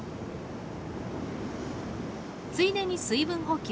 ついでに水分補給。